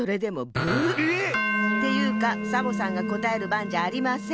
えっ⁉っていうかサボさんがこたえるばんじゃありません。